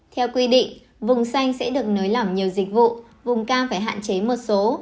theo quy định vùng xanh sẽ được nới lỏng nhiều dịch vụ vùng cao phải hạn chế một số